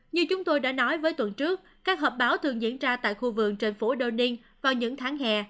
như chúng tôi đã nói với tuần trước các hợp báo thường diễn ra tại khu vườn trên phố đô niên vào những tháng hè